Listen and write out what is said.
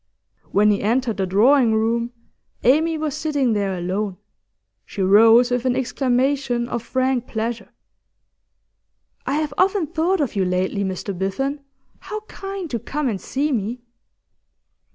When he entered the drawing room Amy was sitting there alone; she rose with an exclamation of frank pleasure. 'I have often thought of you lately, Mr Biffen. How kind to come and see me!